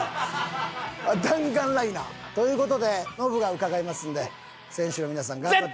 弾丸ライナー。という事でノブが伺いますので選手の皆さん頑張って。